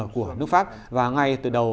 của nước pháp và ngay từ đầu